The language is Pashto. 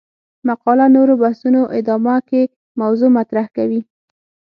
مقاله نورو بحثونو ادامه کې موضوع مطرح کوي.